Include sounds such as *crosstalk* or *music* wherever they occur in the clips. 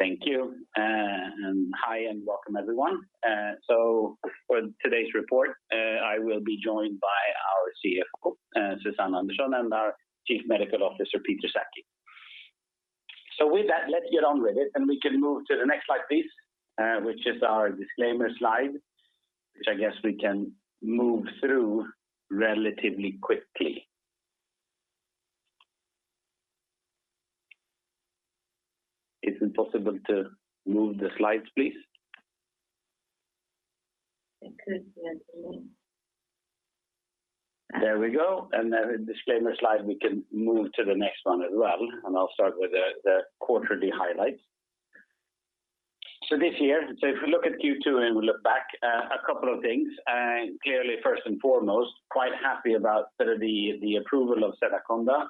Thank you. Hi, and welcome everyone. For today's report, I will be joined by our CFO, Susanne Andersson, and our Chief Medical Officer, Peter Sackey. With that, let's get on with it, and we can move to the next slide, please, which is our disclaimer slide, which I guess we can move through relatively quickly. Is it possible to move the slides, please? It could be at the moment. There we go. Then the disclaimer slide, we can move to the next one as well, I'll start with the quarterly highlights. This year, if we look at Q2 and we look back, a couple of things. Clearly, first and foremost, quite happy about sort of the approval of Sedaconda.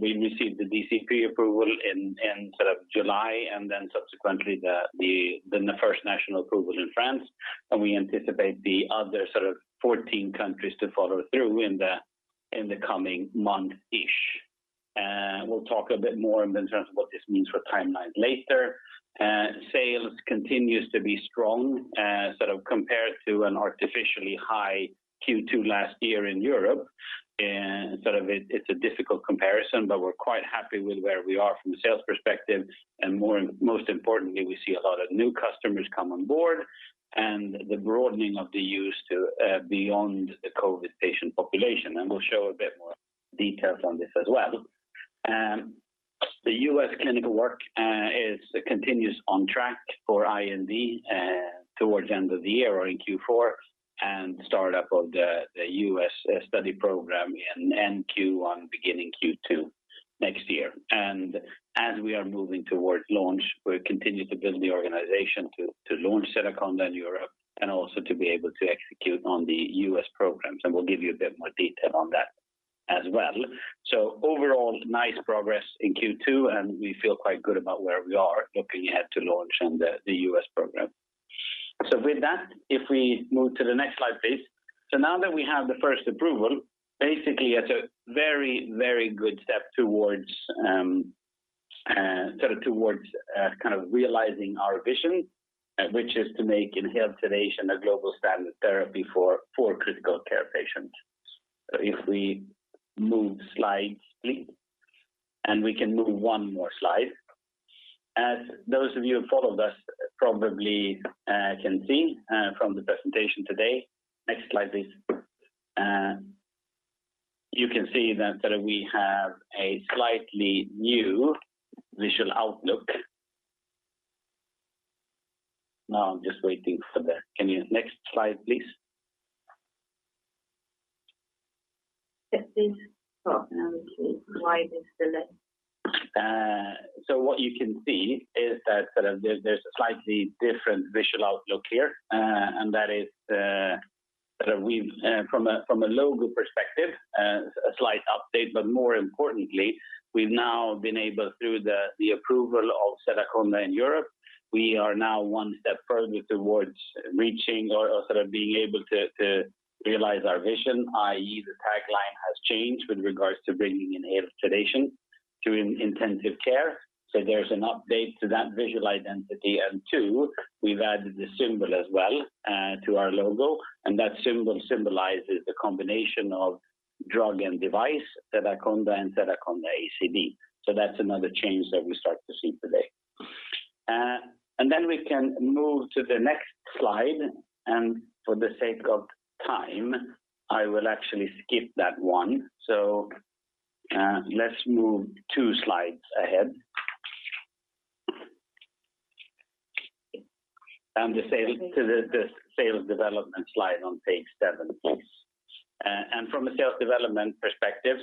We received the DCP approval in July subsequently, the first national approval in France. We anticipate the other 14 countries to follow through in the coming month-ish. We'll talk a bit more in terms of what this means for timelines later. Sales continues to be strong compared to an artificially high Q2 last year in Europe. It's a difficult comparison, but we're quite happy with where we are from a sales perspective. Most importantly, we see a lot of new customers come on board and the broadening of the use to beyond the COVID-19 patient population, and we'll show a bit more details on this as well. The U.S. clinical work continues on track for IND towards the end of the year or in Q4, and startup of the U.S. study program in end Q1, beginning Q2 next year. As we are moving towards launch, we're continuing to build the organization to launch Sedaconda in Europe and also to be able to execute on the U.S. programs, and we'll give you a bit more detail on that as well. Overall, nice progress in Q2, and we feel quite good about where we are looking ahead to launch in the U.S. program. With that, if we move to the next slide, please. Now that we have the 1st approval, basically it's a very good step towards realizing our vision, which is to make inhaled sedation a global standard therapy for critical care patients. If we move slides, please. We can move one more slide. As those of you who followed us probably can see from the presentation today, next slide, please. You can see that we have a slightly new visual outlook. Next slide, please. Yes, please. Oh, now we see. What you can see is that there's a slightly different visual outlook here, and that is from a logo perspective, a slight update, but more importantly, we've now been able, through the approval of Sedaconda in Europe, we are now one step further towards reaching or sort of being able to realize our vision, i.e., the tagline has changed with regards to bringing inhaled sedation to intensive care. There's an update to that visual identity, and two, we've added a symbol as well to our logo, and that symbol symbolizes the combination of drug and device, Sedaconda and Sedaconda ACD. That's another change that we start to see today. We can move to the next slide, and for the sake of time, I will actually skip that one. Let's move two slides ahead. Okay. To the sales development slide on page seven. From a sales development perspective,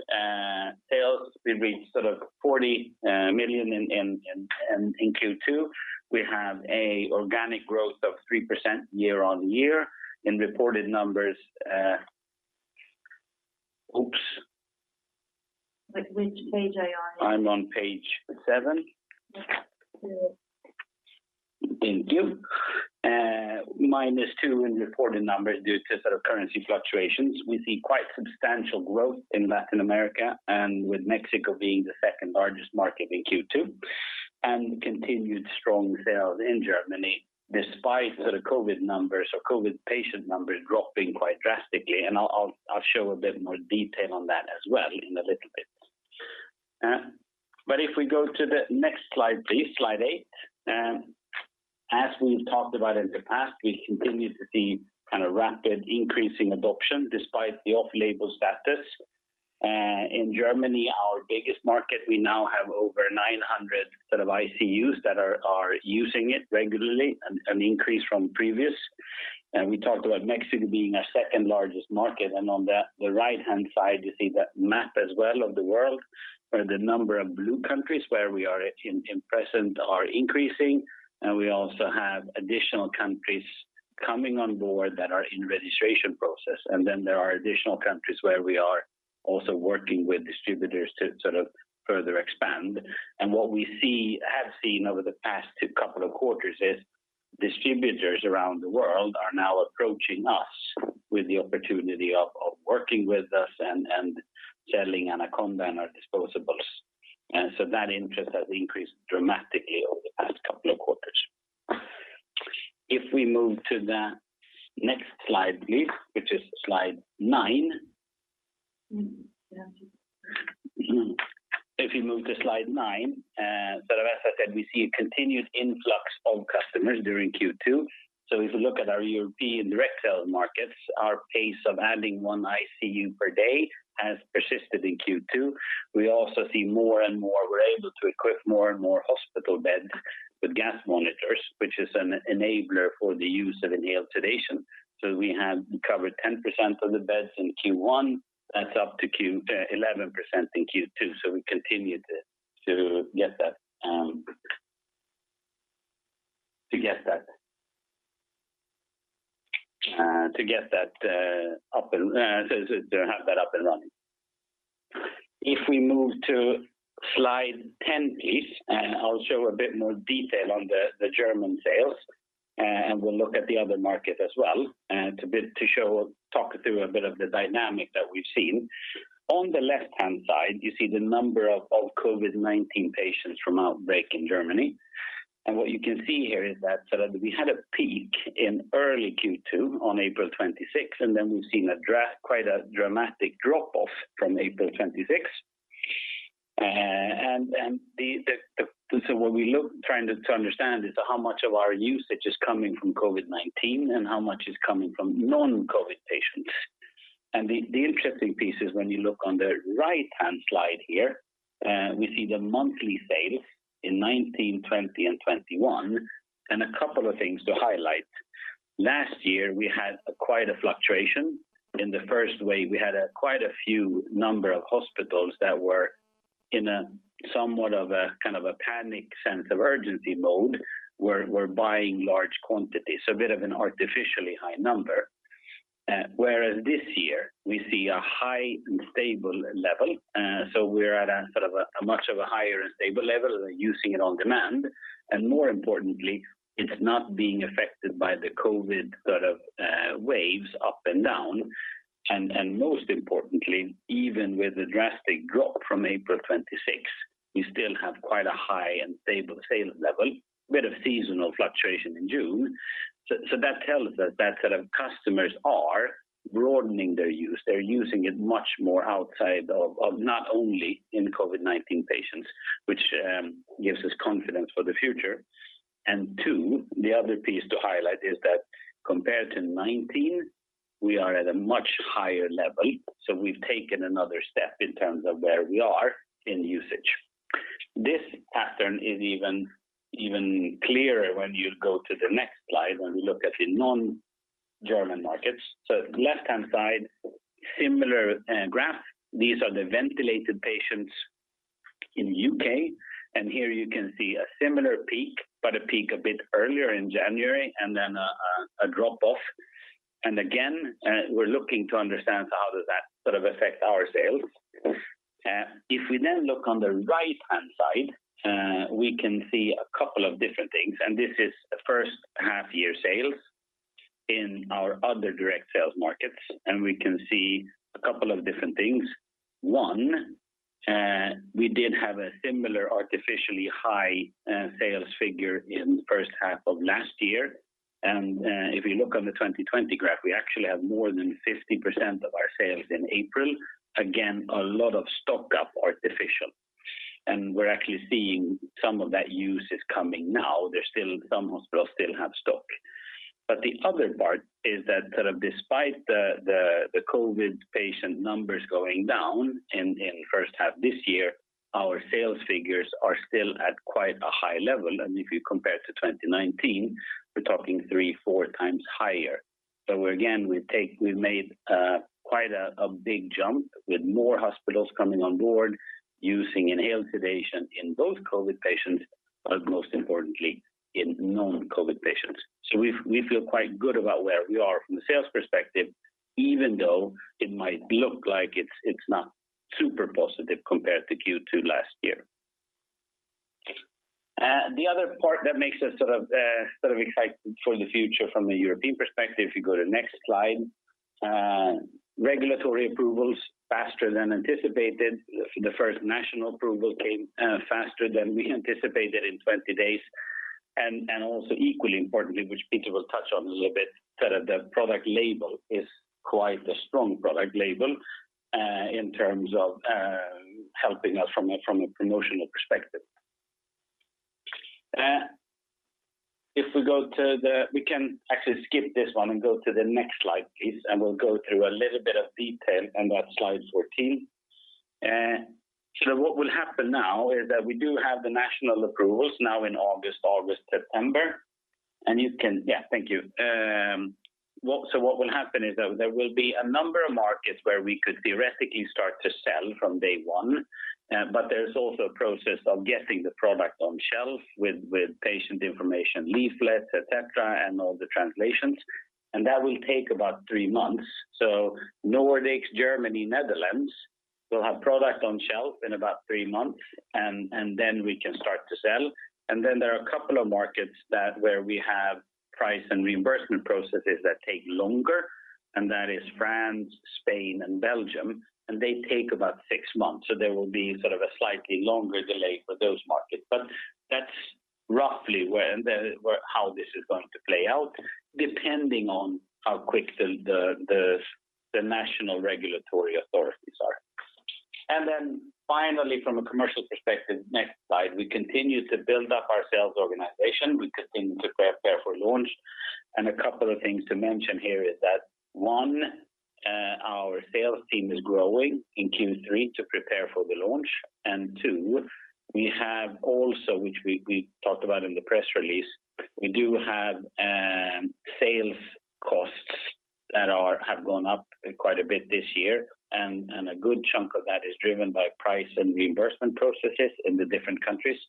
sales, we reached sort of 40 million in Q2. We have an organic growth of 3% year-on-year in reported numbers. Oops. Which page are you on? I am on page seven. Okay, cool. Thank you -2 in reported numbers due to currency fluctuations. We see quite substantial growth in Latin America and with Mexico being the second largest market in Q2, and continued strong sales in Germany despite COVID numbers or COVID patient numbers dropping quite drastically, and I'll show a bit more detail on that as well in a little bit. If we go to the next slide, please, slide eight. As we've talked about in the past, we continue to see rapid increasing adoption despite the off-label status. In Germany, our biggest market, we now have over 900 ICUs that are using it regularly, an increase from previous. We talked about Mexico being our second-largest market, and on the right-hand side, you see that map as well of the world, where the number of blue countries where we are in present are increasing. We also have additional countries coming on board that are in registration process. There are additional countries where we are also working with distributors to sort of further expand. What we have seen over the past two couple of quarters is distributors around the world are now approaching us with the opportunity of working with us and selling AnaConDa and our disposables. That interest has increased dramatically over the past couple of quarters. We move to the next slide, please, which is slide nine. Yeah. If we move to slide nine, sort of as I said, we see a continued influx of customers during Q2. If you look at our European direct sales markets, our pace of adding 1 ICU per day has persisted in Q2. We also see we're able to equip more and more hospital beds with gas monitors, which is an enabler for the use of inhaled sedation. We have covered 10% of the beds in Q1. That's up to 11% in Q2, so we continue to have that up and running. If we move to slide 10, please, and I'll show a bit more detail on the German sales, and we'll look at the other markets as well to talk through a bit of the dynamic that we've seen. On the left-hand side, you see the number of COVID-19 patients from outbreak in Germany. What you can see here is that we had a peak in early Q2 on 26 April, then we've seen quite a dramatic drop-off from 26 April. What we look, trying to understand is how much of our usage is coming from COVID-19 and how much is coming from non-COVID patients. The interesting piece is when you look on the right-hand slide here, we see the monthly sales in 2019, 2020, and 2021, and a couple of things to highlight. Last year, we had quite a fluctuation. In the first wave, we had quite a few number of hospitals that were in somewhat of a panic sense of urgency mode, were buying large quantities, so a bit of an artificially high number. This year, we see a high and stable level. We're at a much of a higher and stable level. They're using it on demand. More importantly, it's not being affected by the COVID waves up and down. Most importantly, even with the drastic drop from 26 April, we still have quite a high and stable sales level. A bit of seasonal fluctuation in June. That tells us that customers are broadening their use. They're using it much more outside of not only in COVID-19 patients, which gives us confidence for the future. Two, the other piece to highlight is that compared to 2019, we are at a much higher level. We've taken another step in terms of where we are in usage. This pattern is even clearer when you go to the next slide, when we look at the non-German markets. The left-hand side, similar graph. These are the ventilated patients in the U.K., and here you can see a similar peak, but a peak a bit earlier in January, and then a drop-off. Again, we're looking to understand how does that affect our sales. If we then look on the right-hand side, we can see a couple of different things, and this is the first half-year sales in our other direct sales markets, and we can see a couple of different things. One, we did have a similar artificially high sales figure in the first half of last year. If we look on the 2020 graph, we actually have more than 50% of our sales in April. Again, a lot of stocked up artificial. We're actually seeing some of that use is coming now. Some hospitals still have stock. The other part is that despite the COVID patient numbers going down in first half this year, our sales figures are still at quite a high level. If you compare to 2019, we're talking three, four times higher. Again, we've made quite a big jump with more hospitals coming on board using inhaled sedation in both COVID patients, but most importantly, in non-COVID patients. We feel quite good about where we are from the sales perspective, even though it might look like it's not super positive compared to Q2 last year. The other part that makes us sort of excited for the future from the European perspective, if you go to next slide. Regulatory approvals, faster than anticipated. The first national approval came faster than we anticipated in 20 days. Also equally importantly, which Peter will touch on in a little bit, the product label is quite a strong product label in terms of helping us from a promotional perspective. We can actually skip this one, go to the next slide, please, we'll go through a little bit of detail on that slide 14. What will happen now is that we do have the national approvals now in August, September. Yeah, thank you. What will happen is that there will be a number of markets where we could theoretically start to sell from day one , but there's also a process of getting the product on shelf with patient information leaflets, et cetera, all the translations, that will take about three months. Nordics, Germany, Netherlands. We'll have product on shelf in about three months, then we can start to sell. Then there are a couple of markets where we have price and reimbursement processes that take longer, that is France, Spain, and Belgium, and they take about 6 months. There will be sort of a slightly longer delay for those markets. That's roughly how this is going to play out, depending on how quick the national regulatory authorities are. Then finally, from a commercial perspective, next slide, we continue to build up our sales organization. We continue to prepare for launch. A couple of things to mention here is that, 1, our sales team is growing in Q3 to prepare for the launch. Two, we have also, which we talked about in the press release, we do have sales costs that have gone up quite a bit this year, and a good chunk of that is driven by price and reimbursement processes in the different countries,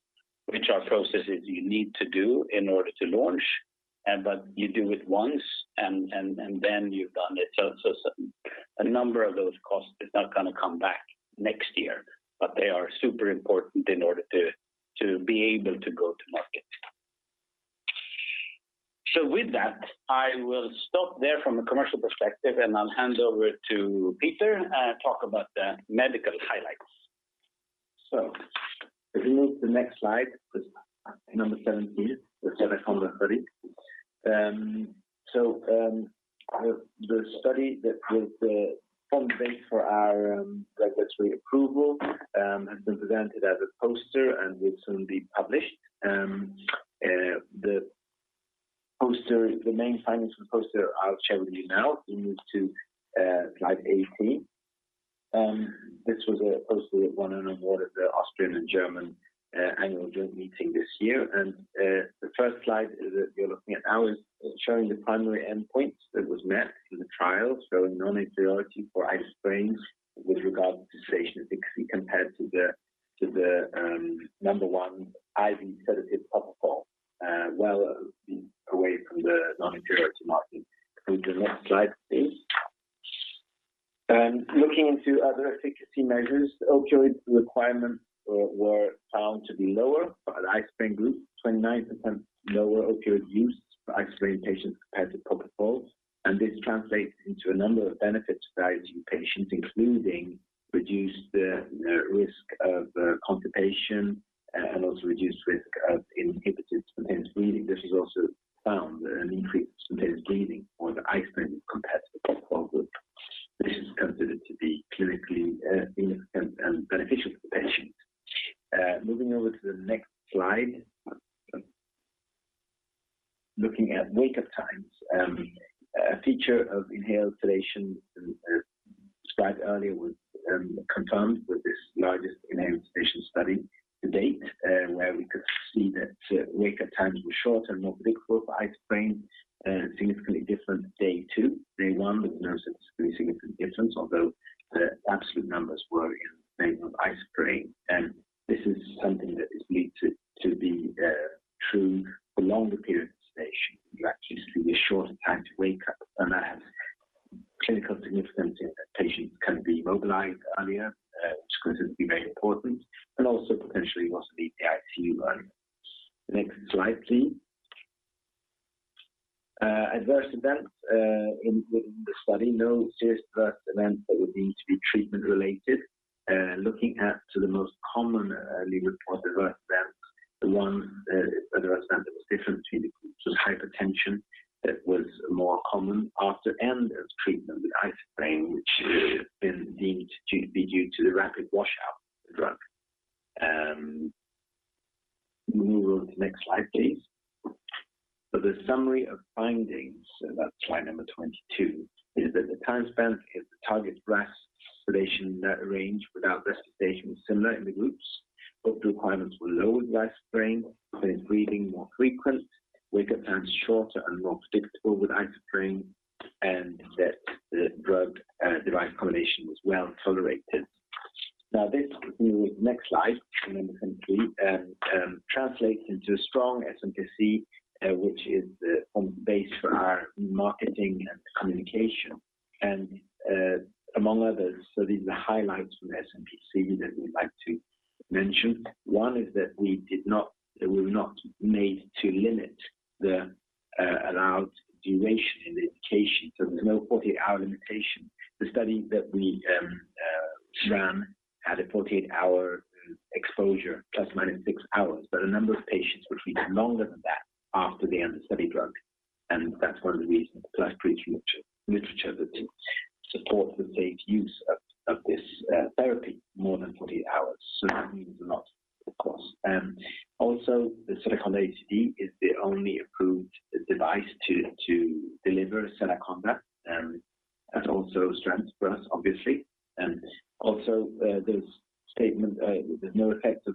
which are processes you need to do in order to launch. You do it once, and then you've done it. A number of those costs is not going to come back next year, but they are super important in order to be able to go to market. With that, I will stop there from a commercial perspective, and I'll hand over to Peter talk about the medical highlights. If you move to the next slide, number 17, the Sedaconda study. The study that was the foundation for our regulatory approval has been presented as a poster and will soon be published. The main findings from the poster I'll share with you now. If you move to slide 18. This was a poster that won an award at the Austrian and German Annual Joint Meeting this year. The first slide is that you're looking at now is showing the primary endpoint that was met in the trial, showing non-inferiority for isoflurane with regard to sedation efficacy compared to the number 1 IV sedative propofol, well away from the non-inferiority margin. Can we move to the next slide, please? Looking into other efficacy measures, the opioid requirements were found to be lower for the isoflurane group, 29% lower opioid use for isoflurane patients compared to propofol. This translates into a number of benefits to ICU patients, including reduced risk of constipation and also reduced risk of inhibited spontaneous breathing. This was also found an increase in spontaneous breathing for the isoflurane compared to the propofol group. This is considered to be clinically significant and beneficial for the patient. Moving over to the next slide. Looking at wake-up times. A feature of inhaled sedation described earlier was confirmed with this largest inhaled sedation study to date, where we could see that wake-up times were shorter and more predictable for isoflurane, significantly different day two. Day one, there was no statistically significant difference, although the absolute numbers were in favor of isoflurane. This is something that is needed to be true for longer periods of sedation. You actually see a shorter time to wake up, and that has clinical significance in that patients can be mobilized earlier, which could be very important, and also potentially also the ICU run. The next slide, please. Adverse events in the study. No serious adverse events that would need to be treatment-related. Looking at the most commonly reported adverse events, the one adverse event that was different between the groups was hypotension. That was more common after end of treatment with isoflurane, which is believed to be due to the rapid washout of the drug. Move on to the next slide, please. The summary of findings, so that's slide number 22, is that the time spent in the target depth of sedation range without resuscitation was similar in the groups. Opioid requirements were lower with isoflurane. Spontaneous breathing more frequent. Wake-up times shorter and more predictable with isoflurane, and that the drug device combination was well-tolerated. This, if you move to the next slide, number 23, translates into a strong SmPC, which is the base for our marketing and communication. Among others, these are the highlights from the SmPC that we'd like to mention. One is that we were not made to limit the allowed duration in the indication. There's no 48-hour limitation. The study that we ran had a 48-hour exposure, ±6 hours. A number of patients were treated longer than that after the end of study drug, and that's one of the reasons. Published literature that supports the safe use of this therapy more than 48 hours. That means a lot, of course. The Sedaconda ACD is the only approved device to deliver Sedaconda. That's also a strength for us, obviously. There's a statement that no effects of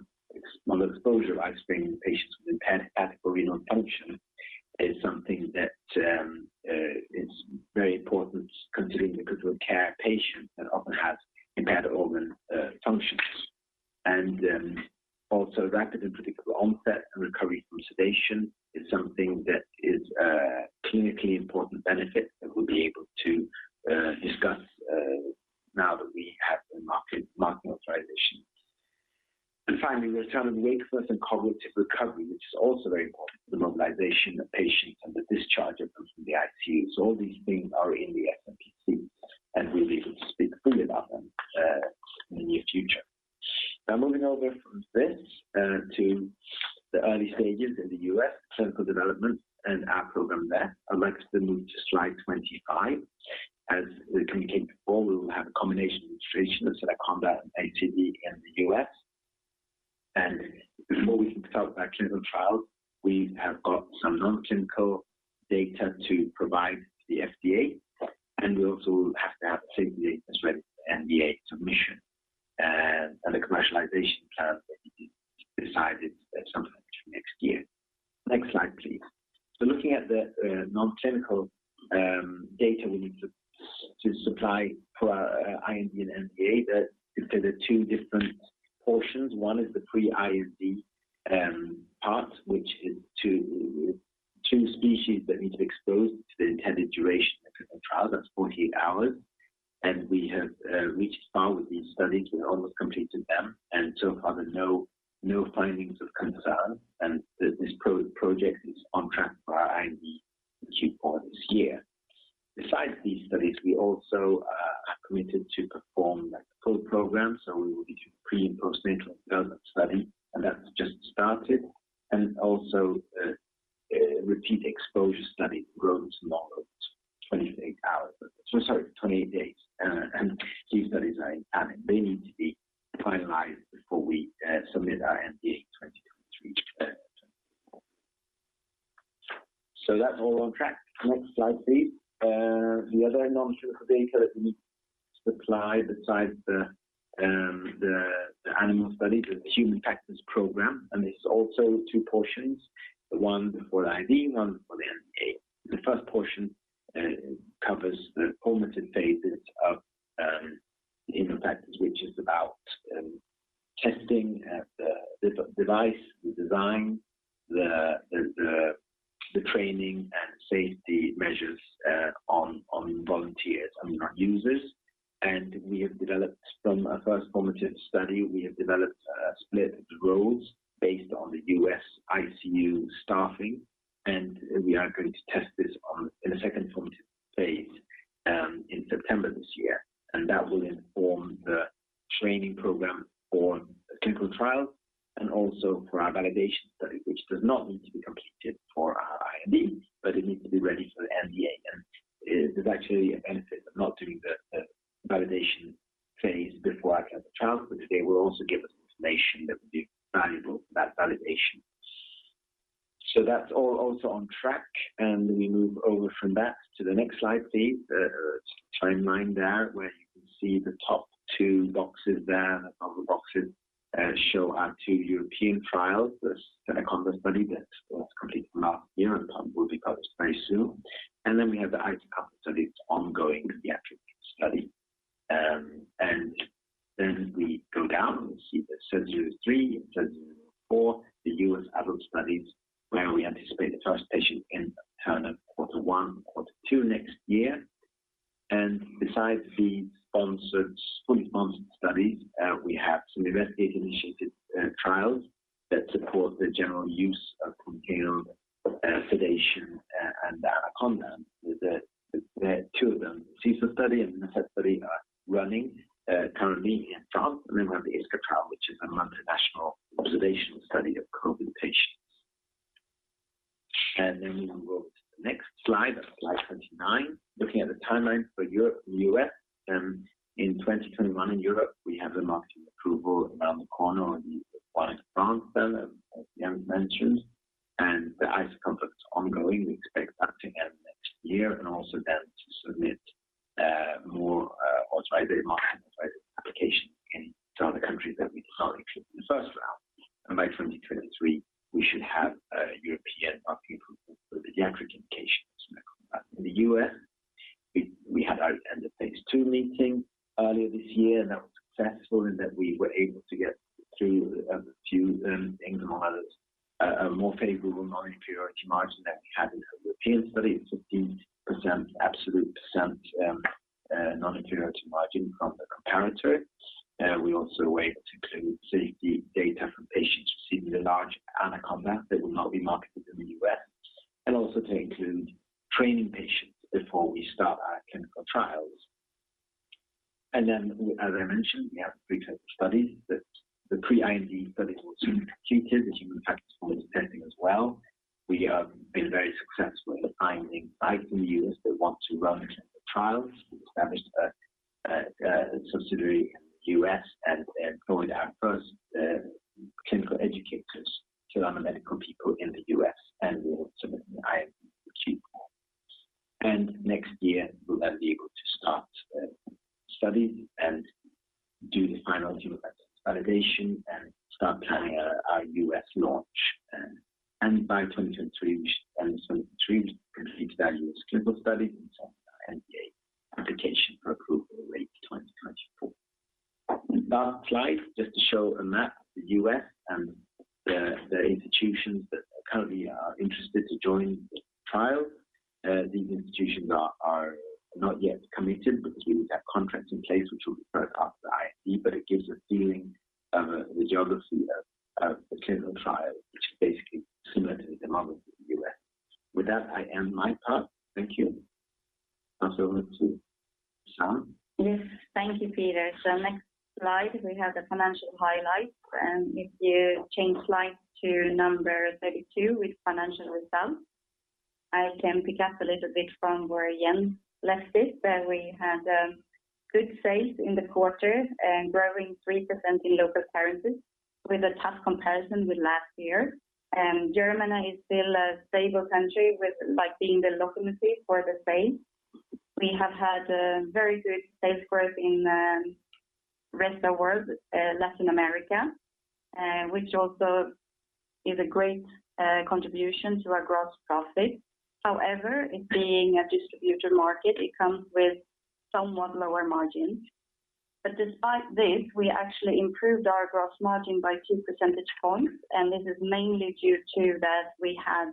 prolonged exposure of isoflurane in patients with impaired hepatic or renal function is something that is very important considering the critical care patient that often has impaired organ function. Rapid and predictable onset and recovery from sedation is something that is a clinically important benefit that we'll be able to discuss now that we have the market authorization. Finally, there's return of wakefulness and cognitive recovery, which is also very important for the mobilization of patients and the discharge of them from the ICU. All these things are in the SmPC, and we'll be able to speak freely about them in the near future. Moving over from this to the early stages in the U.S., clinical development and our program there. I'd like to move to slide 25. As we communicated before, we will have a combination registration of Sedaconda and ACD in the U.S. Before we can start our clinical trial, we have got some non-clinical data to provide to the FDA, and we also have to have a CTD as well as the NDA submission, and the commercialization plan will be decided at some point next year. Next slide, please. Looking at the non-clinical data We have developed from a first formative study, we have developed split roles based on the U.S. ICU staffing, and we are going to test this in the second formative phase in September this year. That will inform the training program for the clinical trial and also for our validation study, which does not need to be completed for our IND, but it needs to be ready for the NDA. There's actually a benefit of not doing the validation phase before pivotal trial, because today will also give us information that will be valuable for that validation. That's all also on track, and we move over from that to the next slide, please. The timeline there, where you can see the top two boxes there, the colored boxes, show our two European trials, the Sedaconda study that was completed last year and will be published very soon. We have the ICE-COPD study, IsoConDa pediatric study. We go down, and we see the SED003 and SED004, the U.S. adult studies, where we anticipate the first patient in quarter one or quarter two next year. Besides the fully sponsored studies, we have some investigator-initiated trials that support the general use of propofol, sedation, and the AnaConDa. There are two of them. The SESAR study and the *inaudible* study are running currently in France. We have the ISCA trial, which is a multinational observational study of COVID patients. We move on to the next slide 29. Looking at the timeline for Europe and the U.S. In 2021 in Europe, we have the marketing approval around the corner with the product in France, as Jens mentioned. The ICE-COPD is ongoing. We expect that to end next year, also then to submit more authorized marketing applications in other countries that we did not include in the first round. By 2023, we should have European market approval for the pediatric indications. In the U.S., we had our end-of-phase II meeting earlier this year, and that was successful in that we were able to get through a few things among others, a more favorable non-inferiority margin than we had in the European study. demography of the U.S. With that, I end my part. Thank you. I'll hand over to Susanne Andersson. Yes. Thank you, Peter. Next slide, we have the financial highlights. If you change slide to 32 with financial results, I can pick up a little bit from where Jens left it, that we had a good sales in the quarter and growing 3% in local currencies with a tough comparison with last year. Germany is still a stable country with like being the locomotive for the sales. We have had a very good sales growth in rest of world, Latin America which also is a great contribution to our gross profit. However, it being a distributor market, it comes with somewhat lower margins. Despite this, we actually improved our gross margin by two percentage points, and this is mainly due to that we had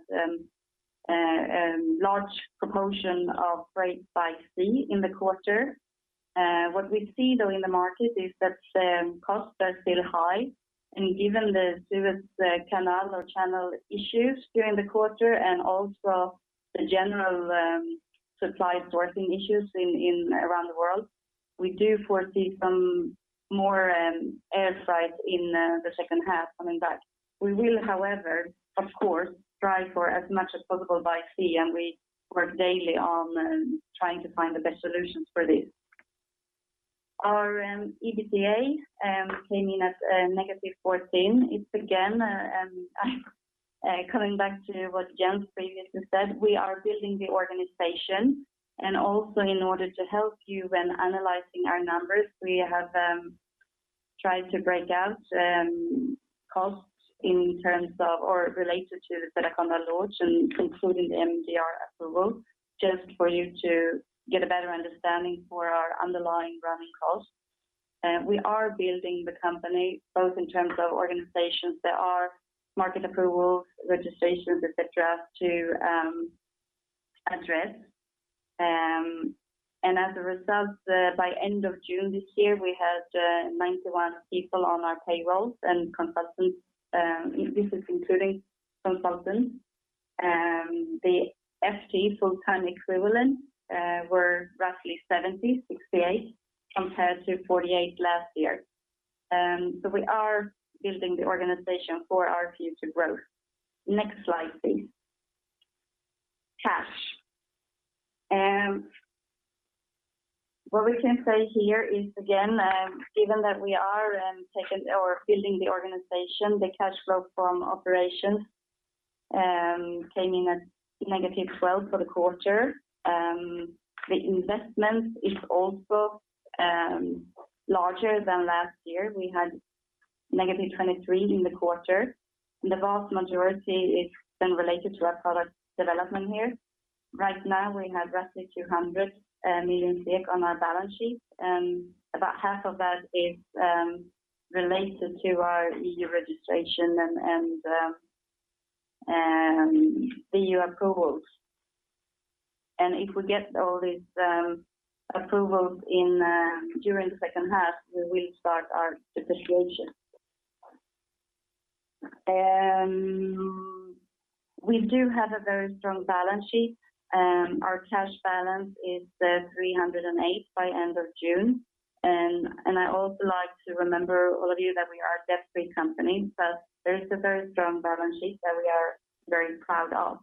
large proportion of freight by sea in the quarter. What we see, though, in the market is that costs are still high and given the Suez Canal or channel issues during the quarter and also the general supply sourcing issues around the world, we do foresee some more air freight in the second half coming back. We will, however, of course, try for as much as possible by sea, and we work daily on trying to find the best solutions for this. Our EBITDA came in at negative 14. It is again coming back to what Jens previously said. We are building the organization. Also in order to help you when analyzing our numbers, we have tried to break out costs in terms of or related to the Sedaconda launch and including the MDR approval, just for you to get a better understanding for our underlying running costs. We are building the company both in terms of organizations. There are market approvals, registrations, et cetera, to address. As a result, by end of June this year, we had 91 people on our payrolls and consultants. This is including consultants. The FTE, full-time equivalent, were roughly 70, 68, compared to 48 last year. We are building the organization for our future growth. Next slide, please. Cash. What we can say here is again, given that we are building the organization, the cash flow from operations came in at negative 12 for the quarter. The investment is also larger than last year. We had negative 23 in the quarter, the vast majority is then related to our product development here. Right now, we have roughly 200 million on our balance sheet. About half of that is related to our EU registration and the EU approvals. If we get all these approvals during the second half, we will start our depreciation. We do have a very strong balance sheet. Our cash balance is 308 by end of June. I also like to remember all of you that we are a debt-free company. There's a very strong balance sheet that we are very proud of.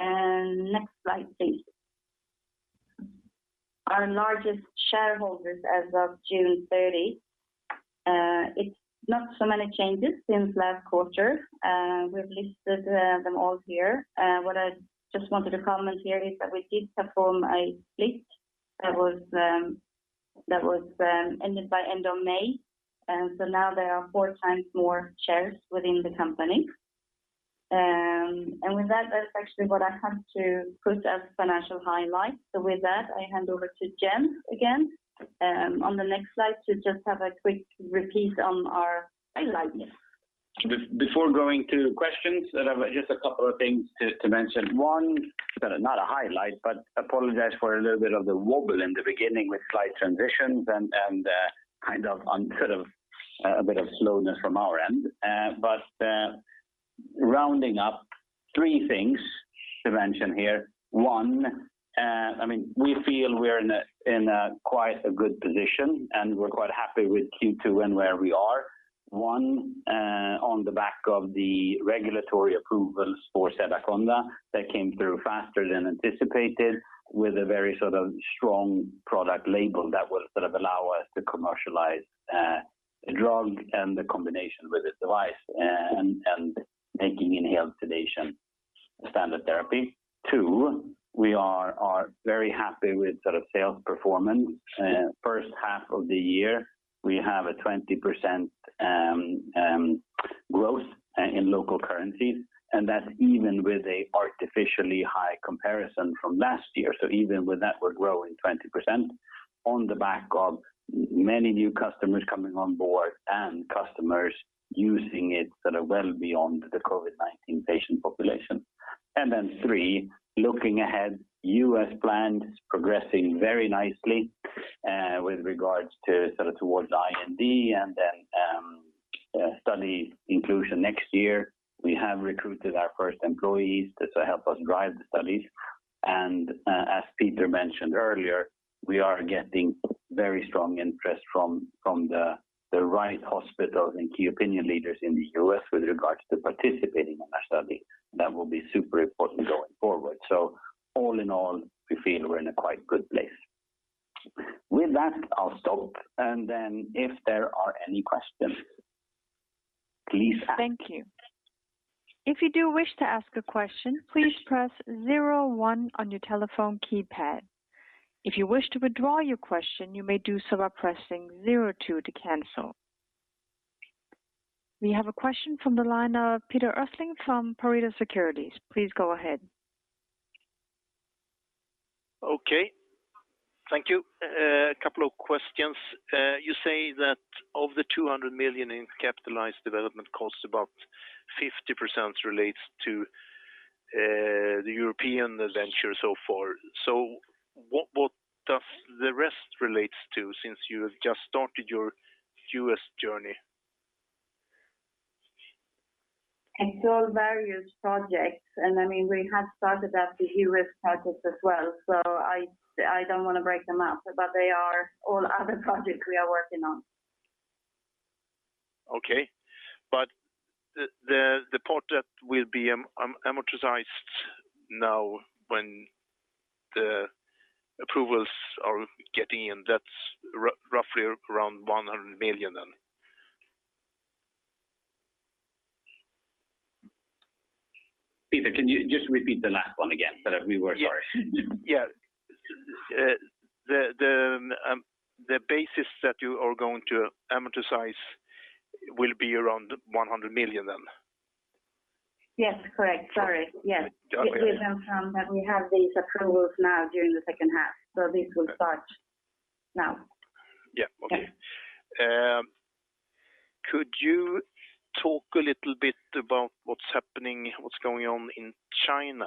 Next slide, please. Our largest shareholders as of 30 June. It is not so many changes since last quarter. We have listed them all here. What I just wanted to comment here is that we did perform a split that was ended by end of May. Now there are 4x more shares within the company. With that's actually what I have to put as financial highlights. With that, I hand over to Jens again. On the next slide, to just have a quick repeat on our highlights. Before going to questions, just a couple of things to mention. One, not a highlight, but apologize for a little bit of the wobble in the beginning with slide transitions and kind of on sort of a bit of slowness from our end. Rounding up three things to mention here. One, we feel we're in a quite a good position, and we're quite happy with Q2 and where we are. One, on the back of the regulatory approvals for Sedaconda that came through faster than anticipated with a very sort of strong product label that will sort of allow us to commercialize the drug and the combination with the device and making inhaled sedation therapy. Two, we are very happy with sales performance. First half of the year, we have a 20% growth in local currencies, and that's even with an artificially high comparison from last year. Even with that, we're growing 20% on the back of many new customers coming on board and customers using it well beyond the COVID-19 patient population. three, looking ahead, U.S. plans progressing very nicely with regards to IND and then study inclusion next year. We have recruited our first employees to help us drive the studies. As Peter mentioned earlier, we are getting very strong interest from the right hospitals and key opinion leaders in the U.S. with regards to participating in our study. That will be super important going forward. All in all, we feel we're in a quite good place. With that, I'll stop, and then if there are any questions, please ask. Thank you. If you do wish to ask a question, please press zero one on your telephone keypad. If you wish to withdraw your question, you may do so by pressing zero two to cancel. We have a question from the line of Peter Östling from Pareto Securities. Please go ahead. Okay. Thank you. A couple of questions. You say that of the 200 million in capitalized development costs, about 50% relates to the European venture so far. What does the rest relate to since you have just started your U.S. journey? It's all various projects, and we have started at the U.S. projects as well. I don't want to break them out, but they are all other projects we are working on. Okay. The part that will be amortized now when the approvals are getting in, that's roughly around 100 million then? Peter, can you just repeat the last one again? Sorry. Yeah. The basis that you are going to amortize will be around 100 million then? Yes, correct. Sorry. Yes. Okay. It is from when we have these approvals now during the second half. This will start now. Yeah. Okay. Yes. Could you talk a little bit about what's happening, what's going on in China?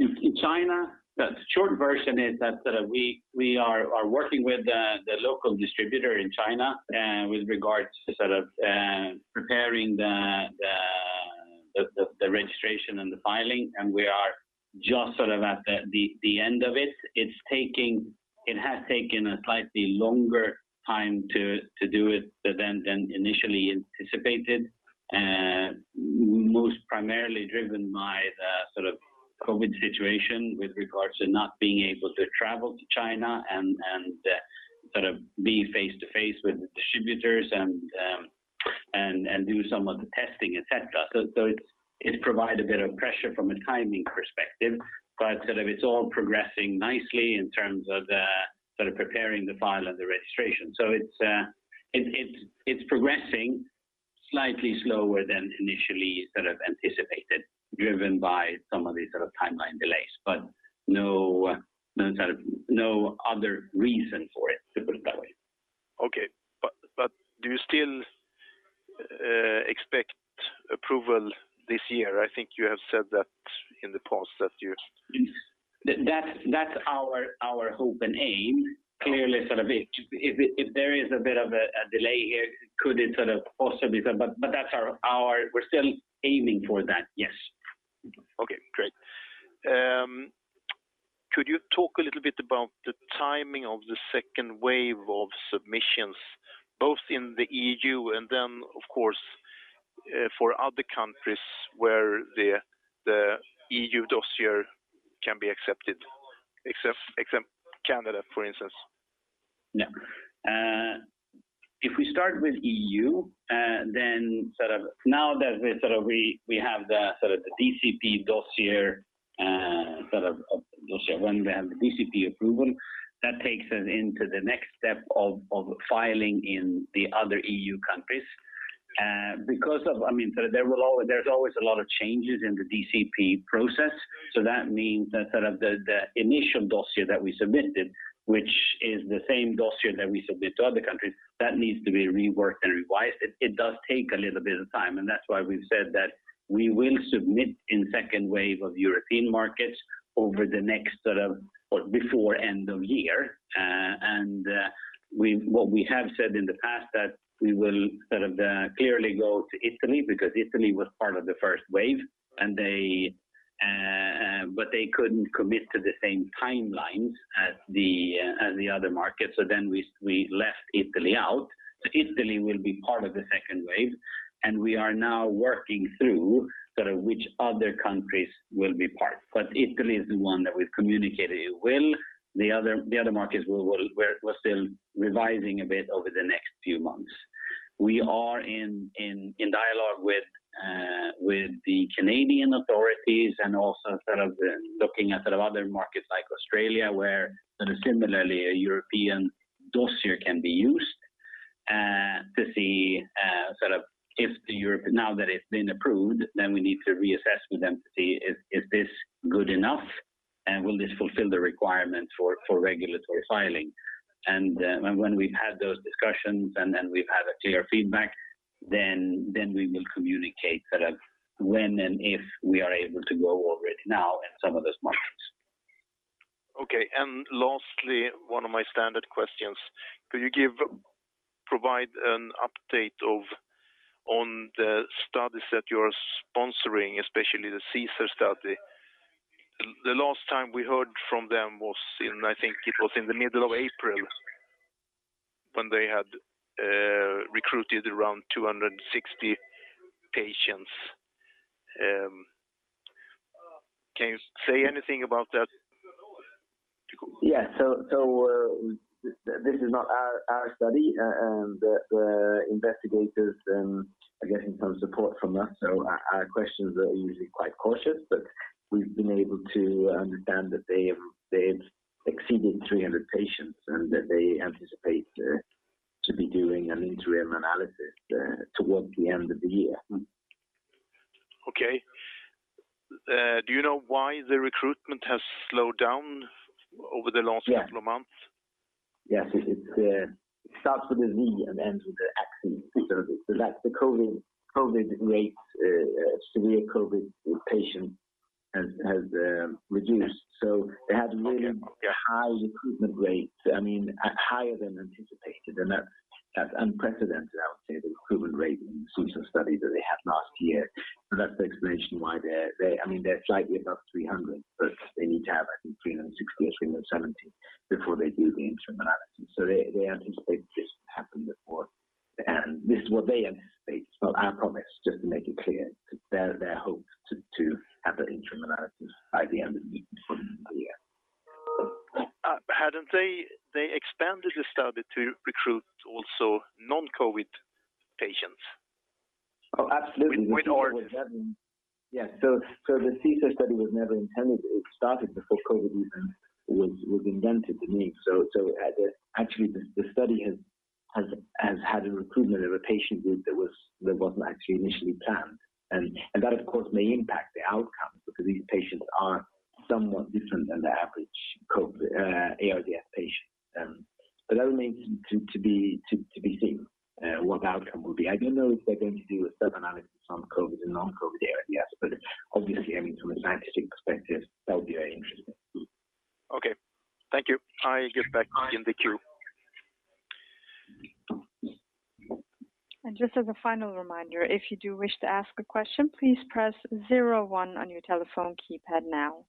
In China, the short version is that we are working with the local distributor in China with regards to preparing the registration and the filing, and we are just at the end of it. It has taken a slightly longer time to do it than initially anticipated. Most primarily driven by the COVID-19 situation with regards to not being able to travel to China and be face-to-face with the distributors and do some of the testing, et cetera. It provided a bit of pressure from a timing perspective, but it's all progressing nicely in terms of preparing the file and the registration. It's progressing slightly slower than initially anticipated, driven by some of these timeline delays, but no other reason for it, to put it that way. Okay. Do you still expect approval this year? I think you have said that in the past. That's our hope and aim. Clearly, if there is a bit of a delay here, could it also be that, but we're still aiming for that, yes. Okay, great. Could you talk a little bit about the timing of the second wave of submissions, both in the EU and then, of course, for other countries where the EU dossier can be accepted, except Canada, for instance? Now that we have the DCP dossier, when we have the DCP approval, that takes us into the next step of filing in the other EU countries. There's always a lot of changes in the DCP process. That means that the initial dossier that we submitted, which is the same dossier that we submit to other countries, needs to be reworked and revised. It does take a little bit of time. That's why we've said that we will submit in second wave of European markets before end of year. What we have said in the past that we will clearly go to Italy because Italy was part of the first wave. They couldn't commit to the same timelines as the other markets. We left Italy out. Italy will be part of the second wave, and we are now working through which other countries will be part. Italy is the one that we've communicated it will. The other markets we're still revising a bit over the next few months. We are in dialogue with the Canadian authorities and also looking at other markets like Australia where similarly a European dossier can be used to see if now that it's been approved, then we need to reassess with them to see if this good enough, and will this fulfill the requirement for regulatory filing. When we've had those discussions and then we've had a clear feedback, then we will communicate when and if we are able to go already now in some of those markets. Okay. Lastly, one of my standard questions, could you provide an update on the studies that you're sponsoring, especially the SESAR study? The last time we heard from them was in, I think it was in the middle of April when they had recruited around 260 patients. Can you say anything about that? Yeah. This is not our study and the investigators are getting some support from us. Our questions are usually quite cautious, but we've been able to understand that they've exceeded 300 patients, and that they anticipate to be doing an interim analysis towards the end of the year. Okay. Do you know why the recruitment has slowed down over the last couple of months? Yes. It starts with a V and ends with an X. That's the severe COVID-19 patient has reduced. They had a really high recruitment rate, higher than anticipated, and that's unprecedented, I would say, the recruitment rate in the SESAR study that they had last year. That's the explanation why they're slightly above 300, but they need to have, I think, 360 or 370 before they do the interim analysis. They anticipate this to happen before. This is what they anticipate. I promise just to make it clear, their hope is to have the interim analysis by the end of the year. They expanded the study to recruit also non-COVID patients. Oh, absolutely. With or Yeah. The SESAR study was never intended. It started before COVID even was invented, the need. Actually the study has had a recruitment of a patient group that wasn't actually initially planned. That of course may impact the outcome because these patients are somewhat different than the average ARDS patient. That remains to be seen what the outcome will be. I don't know if they're going to do a sub-analysis on COVID and non-COVID ARDS, obviously, from a scientific perspective, that would be very interesting. Okay. Thank you. I give back in the queue. Just as a final reminder, if you do wish to ask a question, please press zero one on your telephone keypad now.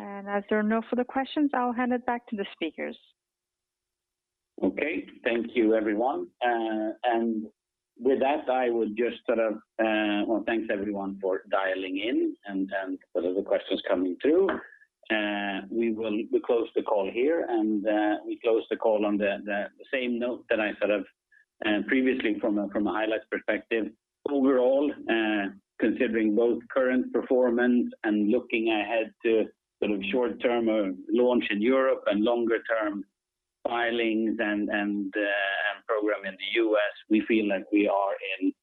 As there are no further questions, I'll hand it back to the speakers. Okay. Thank you everyone. With that, I would just thank everyone for dialing in and for the questions coming through. We close the call here and we close the call on the same note that I previously from a highlights perspective. Overall, considering both current performance and looking ahead to sort of short-term launch in Europe and longer-term filings and program in the U.S., we feel like we are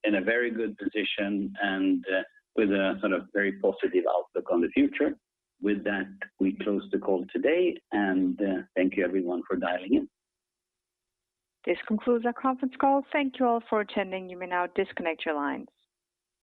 in a very good position and with a very positive outlook on the future. With that, we close the call today, and thank you everyone for dialing in. This concludes our conference call. Thank you all for attending. You may now disconnect your lines.